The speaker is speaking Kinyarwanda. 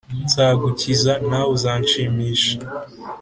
, Nzagukiza nawe uzanshimisha.